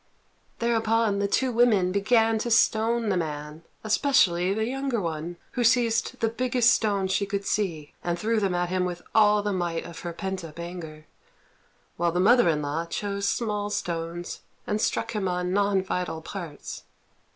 Thereupon the two women began to stone the man, especially the younger one, who seized the biggest stones she could see and threw them at him with all the might of her pent up anger; while the mother in law chose small stones and struck him on non vital parts.